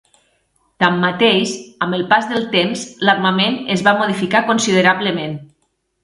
Tanmateix, amb el pas del temps l'armament es va modificar considerablement.